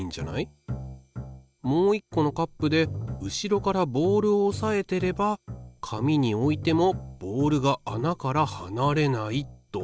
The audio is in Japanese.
もう一個のカップで後ろからボールをおさえてれば紙に置いてもボールが穴からはなれないと。